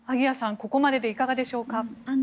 ここまででいかがでしょうか。